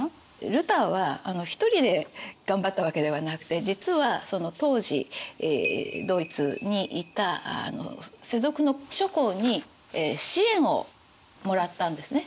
ルターは１人で頑張ったわけではなくて実はその当時ドイツにいた世俗の諸侯に支援をもらったんですね。